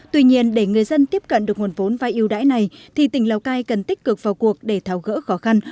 tuy nhiên để người dân tiếp cận được nguồn vốn vai yêu đãi này thì tỉnh lào cai cần tích cực vào cuộc để tháo gỡ khó khăn